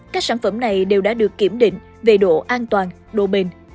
các sản phẩm này đều đã được kiểm định về độ an toàn độ bền